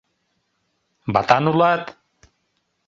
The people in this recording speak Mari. Ватан улат?